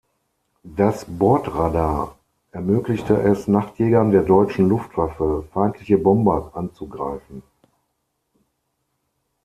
Das Bordradar ermöglichte es Nachtjägern der deutschen Luftwaffe, feindliche Bomber anzugreifen.